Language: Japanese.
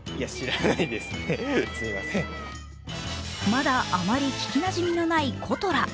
まだあまり聞きなじみのないことら。